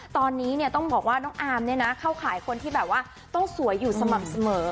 ตอนนี้ต้องบอกว่าน้องอาร์มเนี่ยนะเข้าขายคนที่แบบว่าต้องสวยอยู่สม่ำเสมอ